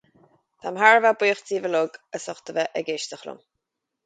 Táim thar a bheith buíoch daoibh uile as ucht a bheith ag éisteacht liom